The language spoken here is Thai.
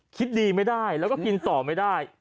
คิดดีไม่ได้แล้วก็กินต่อไม่ได้